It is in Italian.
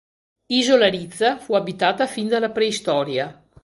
Isola Rizza fu abitata fin dalla preistoria.